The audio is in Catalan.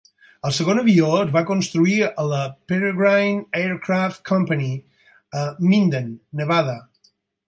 El segon avió es va construir a la Peregrine Aircraft Company a Minden, Nevada.